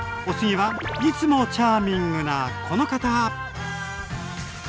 お次はいつもチャーミングなこの方！